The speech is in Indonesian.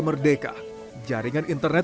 merdeka jaringan internet